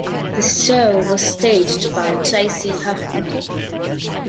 The show was staged by J. C. Huffman.